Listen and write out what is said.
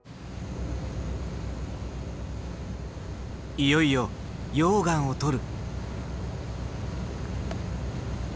いよいよ溶岩を採る。